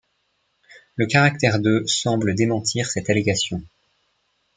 Le caractère de semble démentir cette allégation.